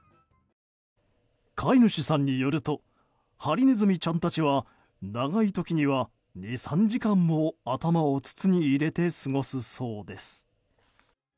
飼い主さんによるとハリネズミちゃんたちは長い時には２３時間も頭を筒に入れて過ごすそうです。